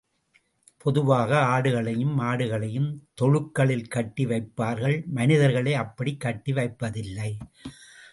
பொதுவாக ஆடுகளையும் மாடுகளையும் தொழுக்களில் கட்டி வைப்பார்கள் மனிதர்களை அப்படிக் கட்டி வைப்பதில்லை.